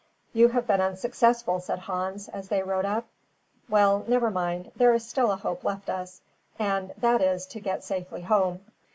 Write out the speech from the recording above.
"You have been unsuccessful," said Hans, as they rode up. "Well, never mind; there is still a hope left us, and that is, to get safely home."